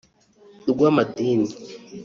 urw’amadini